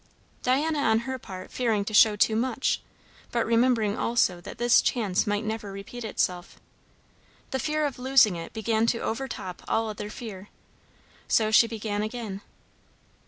Diana on her part fearing to show too much, but remembering also that this chance might never repeat itself. The fear of losing it began to overtop all other fear. So she began again.